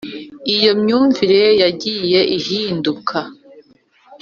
iyo myumvire yagiye ihinduka